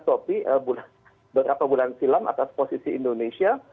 topi beberapa bulan silam atas posisi indonesia